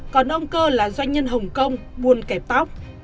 còn ông cơ là doanh nhân hồng kông buôn kẹp tóc